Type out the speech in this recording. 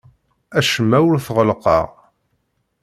Acemma ur t-ɣellqeɣ.